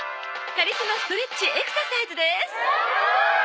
「カリスマストレッチエクササイズです」え？